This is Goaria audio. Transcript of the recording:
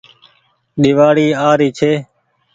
ۮيوآڙي آ ري ڇي